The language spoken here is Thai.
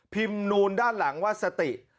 พิมพ์นูนด้านหลังว่าสติ